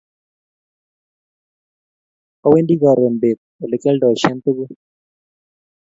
awendi karoon beet olegialdoishen tuguuk